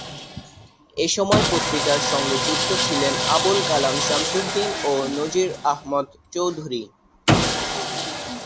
এ সময় পত্রিকার সঙ্গে যুক্ত ছিলেন আবুল কালাম শামসুদ্দীন ও নজীর আহমদ চৌধুরী।